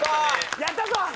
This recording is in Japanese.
やったぞ林！